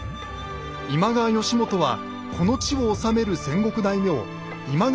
今川義元はこの地を治める戦国大名今川